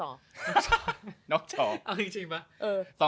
เอาจริงปะ